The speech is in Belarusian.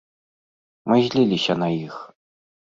Мы зліліся на іх.